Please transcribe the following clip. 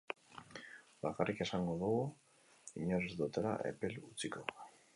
Bakarrik esango dugu inor ez dutela epel utziko.